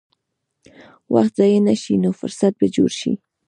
که وخت ضایع نه شي، نو فرصت به جوړ شي.